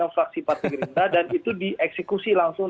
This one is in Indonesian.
faksi parti gerinda dan itu dieksekusi langsung